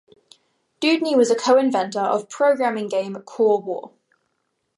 Dewdney was a co-inventor of programming game "Core War".